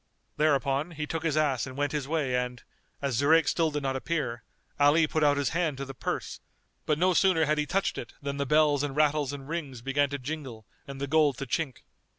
Thereupon, he took his ass and went his way and, as Zurayk still did not appear, Ali put out his hand to the purse; but no sooner had he touched it than the bells and rattles and rings began to jingle and the gold to chink.